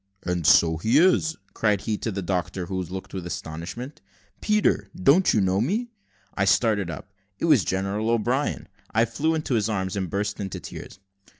"And so he is," cried he, to the doctor, who looked with astonishment. "Peter, don't you know me?" I started up. It was General O'Brien. I flew into his arms, and burst into tears.